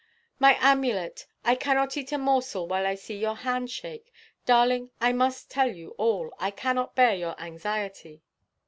"My amulet, I cannot eat a morsel while I see your hand shake. Darling, I must tell you all; I cannot bear your anxiety."